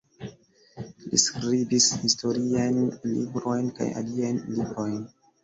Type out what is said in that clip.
Li skribis historiajn librojn kaj aliajn librojn.